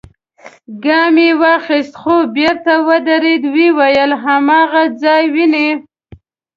ګام يې واخيست، خو بېرته ودرېد، ويې ويل: هاغه ځای وينې؟